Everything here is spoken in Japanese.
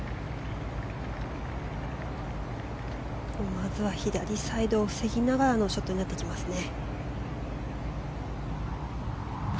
まずは左サイドを防ぎながらのショットになってきますね。